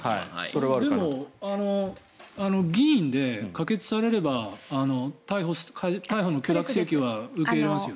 でも、議員で可決されれば逮捕の許諾請求は受けますよね？